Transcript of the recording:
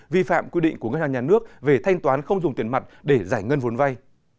vi phạm quy định của ngân hàng nhà nước về thanh toán không dùng tiền mặt để giải ngân vốn vay